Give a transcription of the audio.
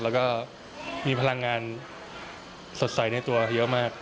แล้วก็มีพลังงานสดใสในตัวเยอะมาก